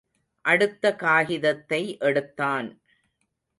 அடுத்த காகிதத்தை எடுத்தான்.